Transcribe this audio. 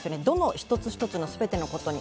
一つ一つの全てのことに。